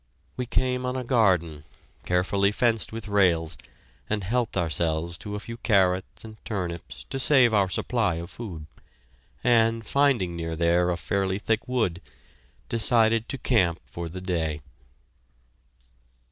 We came on a garden, carefully fenced with rails, and helped ourselves to a few carrots and turnips to save our supply of food, and, finding near there a fairly thick wood, decided to camp for the day.